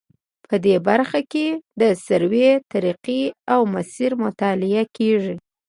په دې برخه کې د سروې طریقې او مسیر مطالعه کیږي